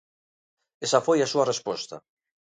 Esa foi a súa resposta.